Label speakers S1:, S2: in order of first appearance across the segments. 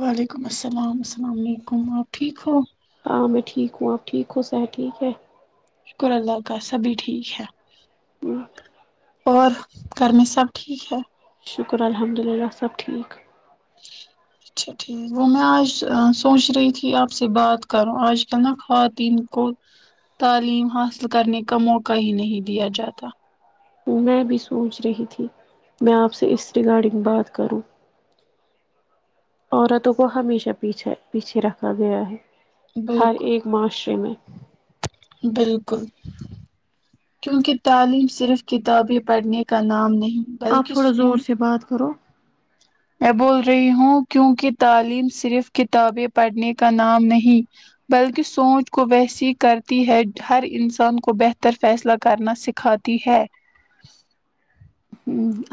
S1: وعلیکم السلام السلام علیکم آپ ٹھیک ہو
S2: ہاں میں ٹھیک ہوں آپ ٹھیک ہووں سر ٹھیک ہے
S1: شکر اللہ کا سبھی ٹھیک ہے اور گھر میں سب ٹھیک ہے
S2: شکر الحمد للہ سب ٹھیک
S1: ج اچھا ٹھیک وہ میں آج سوچ رہی تھی آپ سے بات کروں آج کل نا خواتین کو تعلیم حاصل کرنے کا موقع ہی نہیں دیا جاتا
S2: میں بھی سوچ رہی تھی میں آپ سے اس ریگارڈنگ بات کروں عورتوں کو ہمیشہ پیچھا پیچھے رکھا گیا ہے ہر
S1: بالکل
S2: ایک معاشرے میں
S1: بالکل کیونکہ تعلیم صرف کتابیں پڑھنے کا نام نہیں
S2: آپ
S1: بلکہ
S2: تھوڑا زور
S1: سوچ
S2: سے بات کرو
S1: میں بول رہی ہوں کیوںکہ تعلیم صرف کتابیں پڑھنے کا نام نہیں بلکہ سوچ کو ویسی ہی کرتی ہے ہر انسان کو بہتر فیصلہ کرنا سکھاتا ہے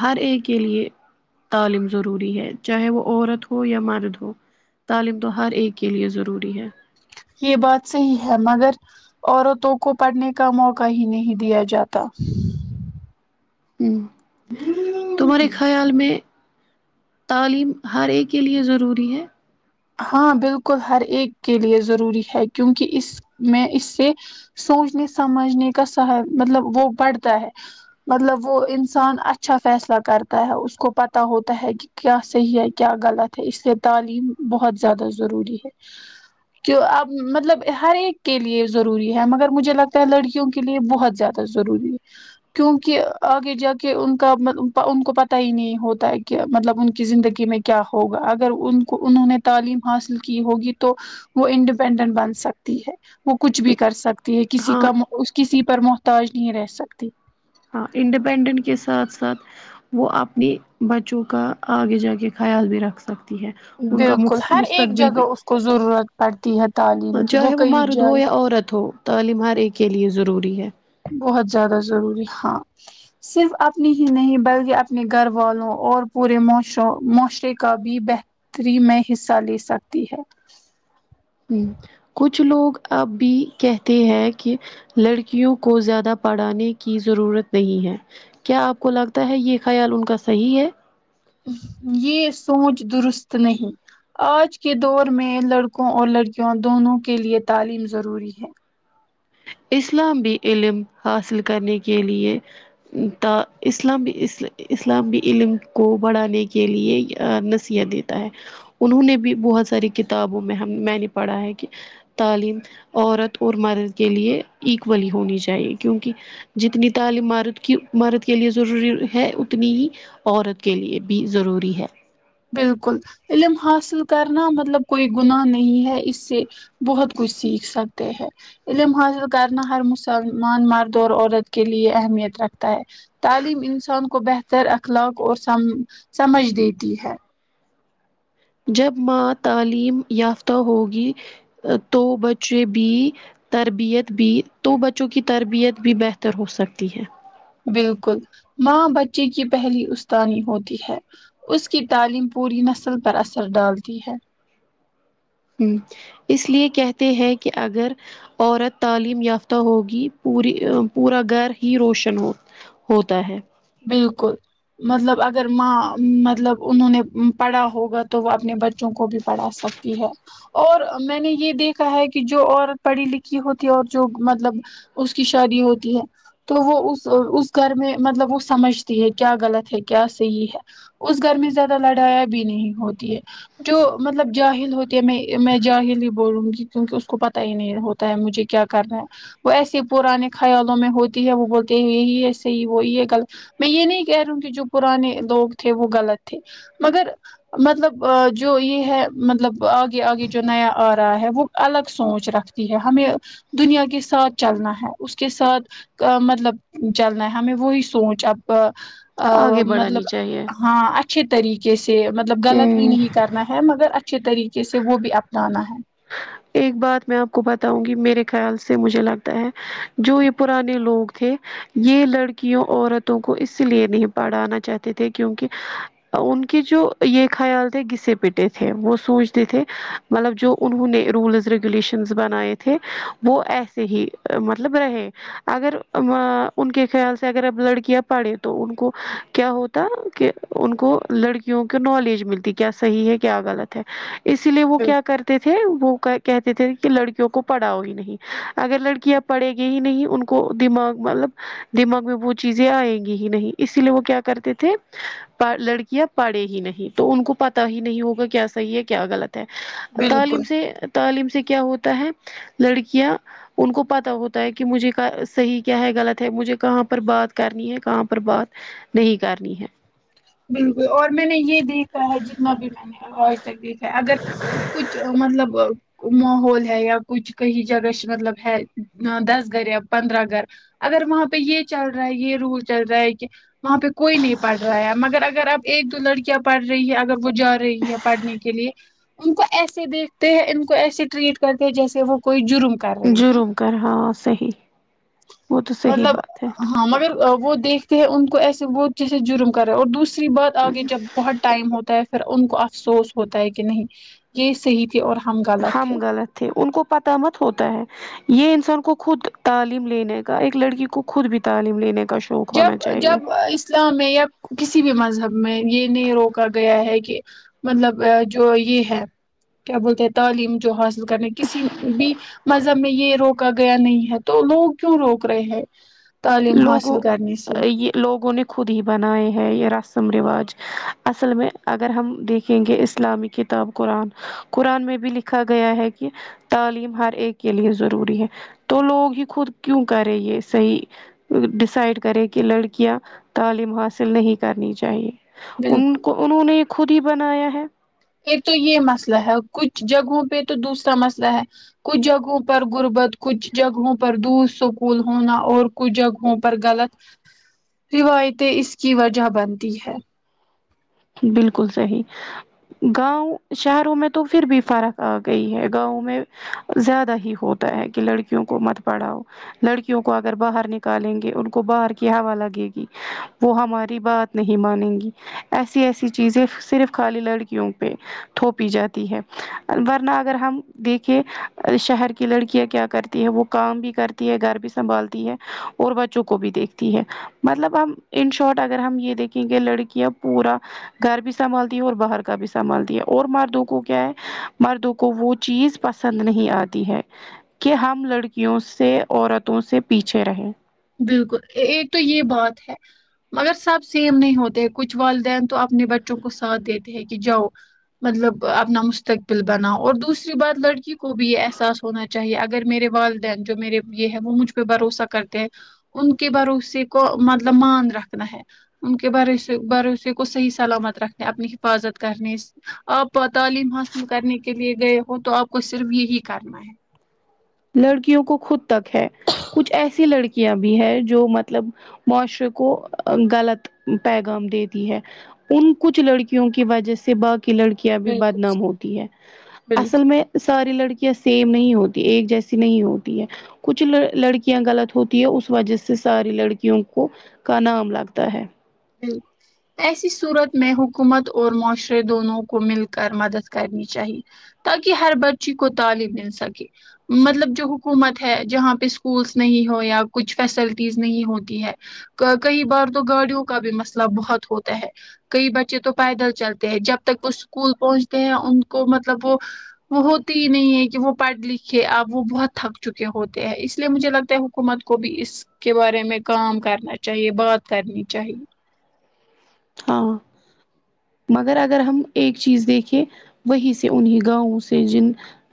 S2: ہر ایک کے لیے تعلیم ضروری ہے چاہے وہ عورت ہو یا مرد ہو تعلیم تو ہر ایک کے لیے ضروری ہے
S1: یہ بات صحیح ہے مگر عورتوں کو پڑھنے کا موقع ہی نہیں دیا جاتا
S2: ہوں تمہارے خیال میں تعلیم ہر ایک کے لیے ضروری ہے
S1: ہاں بالکل ہر ایک کے لیے ضروری ہے کیونکہ اس میں اس سے سوچنے سمجھنے کا سہ مطلب وہ بڑھتا ہے مطلب وہ انسان اچھا فیصلہ کرتا ہے اس کو پت ہوتا ہے کہ کیا صحیح ہے کیا غلط ہے اس لیے تعلیم بہت زیادہ ضروری ہے کی اب مطلب ہر ایک کے لے ضروری ہے مگر مجھے لگتا ہے لڑکیوں کے لیے بہت زیادہ ضروری ہے کیوںکہ آگے جا کے ان کا ان کو پتہ ہی نہیں ہوتا ہے کہ مطلب ان کی زندگی میں کیا ہوگا اگر ان کو انہوں نے تعلیم حاصل کی ہوگی تو وہ انڈیپینڈنٹ بن سکتی ہے وہ کچھ بھی کر سکتا یہ کسی
S2: ہاں
S1: کا اس کسی پر محتاج نہیں رہ سکتی
S2: ہاں انڈیپینڈنٹ کے ساتھ ساتھ وہ اپنی بچوں کا آگے جا کے خیال بھی رکھ سکتے ہے ان کا
S1: بالکل ہر ایک
S2: مستقبل
S1: جگہ
S2: بھی
S1: اس کو ضرورت پڑتی ہے تعلیم کی وہ کہئی جائیں
S2: اورورت ہو تعلیم ہر ایک کے لیے ضروری ہے
S1: بہت زیادہ ضروری ہاں صرف اپنی ہی نہیں بلکہ اپنے گھر والوں اور پورے معاشر معاشرے کا بھی بہتر ری میں حصہ لے سکتی ہے
S2: ہ کچھ لوگ اب بھی کہتے ہیں کہ لڑکیوں کو زیادہ پڑھانے کی ضرورت نہیں ہے کیا آپ کو لگتا ہے یہ خیال ان کا صحیح ہے
S1: یہ سوچ درست نہیں آج کے دور میں لڑکوں اور لڑکیوں دونوں کے لیے تعلیم ضروری ہے
S2: اسلام بھی علم حاصل کرنے کے لیے ت اسلامی اس اسلامی علم کو بڑھانے کے لیے نصیحت د انہوں نے بھی بہت ساری کتابوں میں ہم میں نے پڑھا ہے کہ تعلیم عورت اور مرد کے لیے ایکولی ہونی چاہیے کیونکہ جتنی تعلیم مد کی مارد کے لیے ضروری ہے اتنی ہی عورت کے لیے بھی ضروری ہے
S1: بالکل علم حاصل کرنا مطلب کوئی گناہ نہیں ہے اس سے بہت کچھ سیکھ سکتے ہیں علم حاصل کرنا ہر مسلمان مرد اور عورت کے لیے اہمیت رکھتا ہے تعلیم انسان کو بہتر اخلاق اور س سمجھ دیتی ہے
S2: جب ماں تعلیم یافتہ ہوگی تو بچے بھی تربیت بھی تو بچوں کی تربیت بھی بہتر ہو سکتی ہے
S1: بالکل ماں بچے کی پہلی استانی ہوتی ہے اس کی تعلیم پوری نسل پر اثر ڈالتی ہے
S2: ہ اس لیے کہتے ہیں کہ اگر عورت تعلیم یافتہ ہوگی پوری پورا گھر ہی روشن ہو ہوتا ہے
S1: بالکل مطلب اگر ماں مطلب انہوں نے پڑھا ہوگا تو وہ اپنے بچوں کو بھی پڑھا سک ہے اور میں نے یہ دیکھا ہے کہ جو عورت پڑھی لکھی ہوتی اور جو مطلب اس کی شادی ہوتی ہے تو وہ اس اس گھر میں مطلب اس سمجھتی ہے کیا غلط ہے کیا صحیح ہے اس گھر میں زیادہ لڑایاں بھی نہیں ہوتی ہے جو مطلب جاہل ہوتی ہے میں میں جاہل ہی بولونگی کیونکہ اس کو پتہ ہی نہیں ہو پتہ ہے مجھے کیا کرنا ہے وہ ایسے پرانے خیالوں میں ہوتی ہے وہ بولتے ہیں یہی ہےصحیح وہی ہے کل میں یہ نہیں کہہ رہی ہوں کہ جو پرانے لوگ تھے وہ غلط تھے مگر مطلب جو یہ ہے مطلب آگے آگے جو نیا آ رہا ہے وہ الگ سوچ رکھتا ہے ہمیں دنیا کے ساتھ چلنا ہے اس کے ساتھ مطلب چلنا ہے ہمیں وہی سوچ اب ہا
S2: آگے
S1: مطلب
S2: بڑھانی چاہیے
S1: ہاں اچھے طریقے سے مطلب غلط بھی
S2: ہوں
S1: نہیں کرنا ہے مگر اچھے طریقے سے وہ بھی اپنانا ہے
S2: ایک بات میں آپ کو بتاؤں گی میرے خیال سے مجھے لگتا ہے جو یہ پرانے لوگ تھے یہ لڑکیوں عورتوں کو اسی لیے نہیں پڑھانا چاہتے تھے کیونکہ ان کے جو یہ خیال تھے گیسے پٹے تھے وہ سوچتے تھے مطلب جو انہوں نے روللز ریگولیشنز بنائے تھے وہ ایسے ہی مطلب رہے اگرہما ان کے خیال سے اگر اب لڑکیاں پڑھیں تو ان کو کیا ہوتا تا کہ ان کو لڑکیوں کی نالج ملتی کیا صحیح ہے کیا غلط ہے اسی لیے وہ کیا
S1: بالکل
S2: کرتے تھے وہ کہتے تھے کہ لڑکیوں کو پڑھاؤ ہی نہیں اگر لڑکیاں پڑھے گی ہی نہیں ان کو دماغ مطلب کچھ دماغ میں وہ چیزیں آ ئیگی ہی نہیں اسی لیے وہ کیا کرتے تھے پر لڑکیاں پڑے ہی نہیں تو ان کو پتا ہی نہیں ہوگا کیا صحیح ہے کیا غلط ہے
S1: بالکل
S2: تعلیم سے تعلیم سے کیا ہوتا ہے لڑکیاں ان کو پتا ہوتا ہے کہ مجھے کا صحیح کیا ہے غلط ہے مجھے کہاں پر بات کرنی ہے کہاں پر بات نہیں کرنی ہے
S1: بالکل اور میں نے یہ دیکھا ہے جتنا بھی میں نے آج تک دیکھا ہے اگر کچھ مطلب ماحول ہے یا کچھ کہی جگش مطلب ہے دس گھر یا پندرہ گھر اگر وہاں پہ یہ چل رہا ہے یہ رول چل رہا ہے کہ وہاں پہ کوئی نہیں پڑھ رہا ہے مگر اگر اب ایک دو لڑکیاں پڑھ رہی ہیں اگر وہ جا رہی ہے پڑھنے کے لیے ان کو ایسے دیکھتے ہیں ان کو ایسے ٹریٹ کرتے ہیں جیسے وہ کوئی جرم کر رہی ہو
S2: جرم کر ہا صحیح وہ تو صحیح
S1: مطلب
S2: بات ہے
S1: ہاں مگر وہ دیکھتے ہیں ان کو ایسے وہ جیسے جرم کرے اور دوسری بات آگے جب بہت ٹائم ہوتا ہے پھر ان کو افسوس ہوتا ہے کہ نہیں یہی صحیح اور ہم گاہ
S2: ہم غلط تھے ان کو پتا مت ہوتا ہے یہ انسان کو خود تعلیم لینے کا ایک لڑکی کو خود بھی تعلیم لینے کاششو
S1: جب جب اس اسلام میں یا کسی بھی مذہب میں یہ نہیں روکا گیا ہے کہ مطلب ہاجو یہ ہے کیا بولتے ہیں تعلیم جو حاصل کرنے کسی بھی مذہب میں یہ روکا گیا نہیں ہے تو لوگ کیوں روک رہے ہیں تعلیم حاصل
S2: لوگوں
S1: کرنے سے
S2: یہ لوگوں نے خود ہی بنائے ہے یہ رسم رواج اصل میں اگر ہم دیک لیں گے اسلامی کتاب قرآن قرآن میں بھی لکھا گیا ہے کہ تعلیم ہر ایک کے لیے ضروری ہے تو لوگ ہی خود کیوں کرے یہ صحیح ڈسائڈکرے کہ لڑکیاں تعلیم حاصل نہیں کرنی چاہیے ان
S1: بالکل
S2: کو انہوں نے خود ہی بنایا ہے
S1: ایک تو یہ مسئلہ ہے کچھ جگہوں پہ تو دوسرا مسئلہ ہے کچھ جگہوں پر غربت کچھ جگہوں پر دور اسکول ہونا اور کچھ جگہوں پر غلط روایتیں اس کی وجہ بنتی ہے
S2: بالکل صحیح گاؤں شہروں میں تو پھر بھی فرق آ گئی ہے گاؤں میں زیادہ ہی ہوتا ہے کہ لڑکیوں کو مت پڑھاؤ لڑکیوں کو اگر باہر نکالیں گے ان کو باہر کی ہوا لگے گی وہ ہماری بات نہیں مانیں گی ایسی ایسی چیزیں صرف خالی لڑکیوں پہ تھوپی جاتی ہے ورنہ اگر ہم دیکھیں شہر کی لڑکیاں کیا کرتی ہے وہ کام بھی کرتی ہے گھر بھی سنبھالتی ہے اور بچوں کو بھی دیکھتی ہے مطلب ہم ان شارٹ اگر ہم یہ دیکھیں کہ لڑکیاں پورا گھر بھی سنبھالتی ہے اور باہر کا بھی سنبھالتی ہے اور مردوں کو کیا ہے مردوں کو وہ چیز پسند نہیں آتی ہے کہ ہم لڑکیوں سے عورتوں سے پیچھے رہیں
S1: بالکل ایک تو یہ بات ہے مگر سب سیم نہیں ہوتے ہیں کچھ والدین تو اپنے بچوں کو ساتھ دیتے ہیں کہ جاؤ مطلب اپنا مستقبل بنا اور دوسری بات لڑکی کو بھی یہ احساس ہونا چاہیے اگر میرے والدین جو میرے یہ ہے وہ مجھ پہ بھروسہ کرتے ہیں ان کے بھروسے کو مطلب مان رکھنا ہے ان کے بھروسے بھروسے کو صحیح سلامت رکھنے اپنی حفاظت کرنے آپ تعلیم حاصل کرنے کے لیے گئے ہو تو آپ کو صرف یہی کرنا ہے
S2: لڑکیوں کو خود تک ہے کچھ ایسی لڑکیاں بھی ہے جو مطلب معاشرے کو غلط پیغام دیتی ہے ان کچھ لڑکیوں کی وجہ سے باقی لڑکی بھی
S1: بالکل
S2: بدنام
S1: صحیح
S2: ہوتی ہے اصل
S1: بالکل
S2: میں ساری لڑکیاں سیم نہیں ہوتی ایک جیس نہیں ہوتی ہے کچھ لڑکیاں غلط ہوتی ہے اس وجہ سے ساری لڑکیوں کو کا نام لگتا ہے
S1: ہوں ایسی صورت میں حکومت اور معاشرے دونوں کو مل کر مدد کرنی چاہیے تاکہ ہر بچی کو تعلیم مل سکے مطلب جو حکومت ہے جہاں پہ اسکولس نہیں ہو یا کچھ فیسلٹیز نہیں ہوتی ہے کئی بار تو گاڑیوں کا بھی مسئلہ بہت ہوتا ہے کئی بچے تو پیدل چلتے ہیں جب تک وہ اسکول پہنچتے ہیں ان کو مطلب وہ وہ ہوتی ہی نہیں ہے کہ وہ پڑھ لکھے اب وہ بہت تھک چکے ہوتے ہیں اس لیے مجھے لگتا ہے حکومت کو بھی اس کے بارے میں کام کرنا چاہیے بات کرنی چاہیے
S2: ہاں مگر اگر ہم ایک چیز دیکھے وہی سے انیں گاؤں سے جن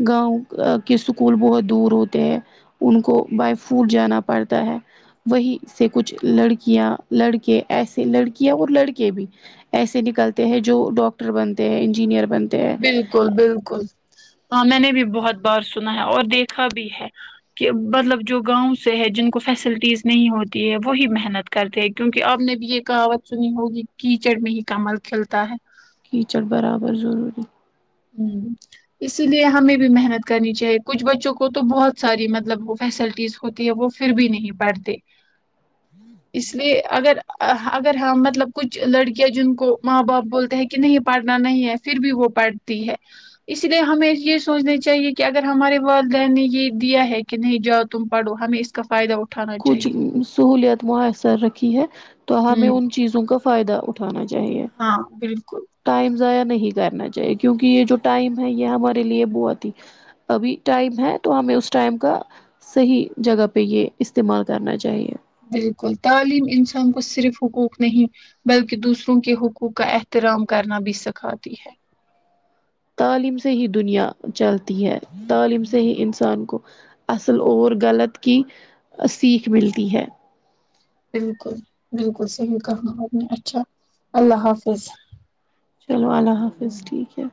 S2: گاؤں ا کے سکول بہت دور ہوتے ہیں ان کو بائی فوٹ جانا پڑتا ہے وہی سے کچھ لڑکیاں لڑکے ایسے لڑکیاں اور لڑکی کے بھی ایسے نکلتے ہیں جو ڈاکٹر بنتے ہیں انجینئر بنتے ہیں
S1: بالکل بالکل ہاں میں نے بھی بہت بار سنا ہے اور دیکھا بھی ہے کہ مطلب جو گاؤں سے ہے جن کو فیسلٹیز نہیں ہوتی ہے وہی محنت کرتے کیونکہ آپ نے بھی یہ کہاوت سنی ہوگی کیچڑ میں ہی کمل کھلتا ہے
S2: کیچڑ برابر ضروری
S1: ہوں اسی لیے ہمیں بھی محنت کرنی چاہیے کچھ بچوں کو تو بہت ساری مطلب فیسلٹیز ہوتی ہے وہ پھر بھی نہیں پڑھتے اس لیے اگر اگر ہ مطلب کچھ لڑکیاں جن کو ماں باپ بولتے ہیں کہ کہ نہیں پڑھنا نہیں ہے پھر بھی وہ پڑھتی ہے اسی لیے ہمیں یہ سوچنا چاہیے کہ اگر ہمارے والدین نے یہ دیا ہے کہ نہیں جاؤ تم پڑھو ہمیں اس کا فائد اٹھانا
S2: کچھ
S1: چاہیے
S2: سہولت میسر رکھی ہے تو ہمیں
S1: ہوں
S2: ان چیزوں کا فائدہ اٹھ اٹھانا چاہیے
S1: ہاں بالکل
S2: ٹائم ضائع نہیں کرنا چاہیے کیونکہ یہ جو ٹائم ہے یہ ہمارے لیے بہت ہی ابھی ٹائم ہے تو ہمیں اس ٹائم کا صحیح جگہ پہ یہ استعمال کرنا چاہیے
S1: بالکل تعلیم انسان کو صرف حقوق نہیں بلکہ دوسروں کے حقوق کا احترام کرنا بھی سکھاتی ہے
S2: تعلیم سے ہی دنیا چلتی ہے تعلیم سے ہی انسان کو اصل اور غلط کی سیکھ ملتی ہے
S1: بالکل بالکل صحیح کہا آپ نے اچھا اللہ حافظ
S2: چلو اللہ حافظ ٹھیک ہے